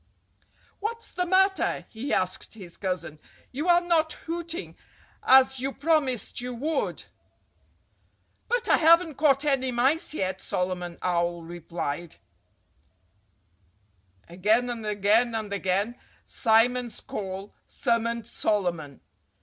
"What's the matter?" he asked his cousin. "You are not hooting, as you promised you would." "But I haven't caught any mice yet!" Solomon Owl replied. "It's All Right," Said Solomon Again and again and again Simon's call summoned Solomon.